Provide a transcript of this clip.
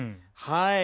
はい。